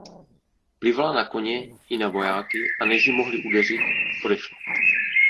Plivala na koně i na vojáky a než ji mohli udeřit, odešla.